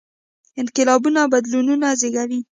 انقلابونه او بدلونونه زېږوي.